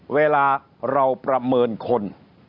เวลาเราประเมินคน